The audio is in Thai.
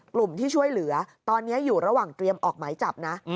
กลุ่มที่ช่วยเหลือตอนนี้อยู่ระหว่างเตรียมออกหมายจับนะ